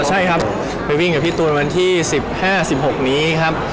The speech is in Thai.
ใช่ครับไปวิ่งกับพี่ตูนวันที่๑๕๑๖นี้ครับ